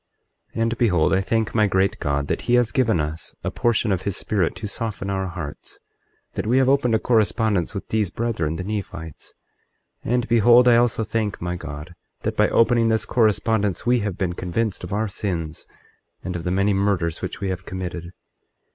24:8 And behold, I thank my great God that he has given us a portion of his Spirit to soften our hearts, that we have opened a correspondence with these brethren, the Nephites. 24:9 And behold, I also thank my God, that by opening this correspondence we have been convinced of our sins, and of the many murders which we have committed.